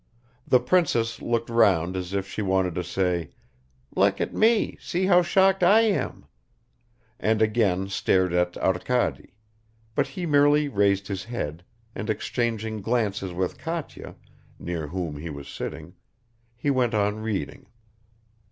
The princess looked round as if she wanted to say, "Look at me; see how shocked I am!" and again stared at Arkady, but he merely raised his head, and exchanging glances with Katya, near whom he was sitting, he went on reading.